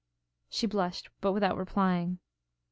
She blushed, but without replying.